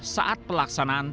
saat pelaksanaan takdir